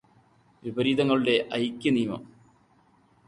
വിപരീതങ്ങളുടെ ഐക്യനിയമം